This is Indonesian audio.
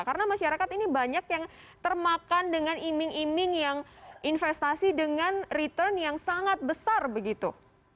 karena masyarakat ini banyak yang termakan dengan iming iming yang investasi dengan return yang sangat besar begitu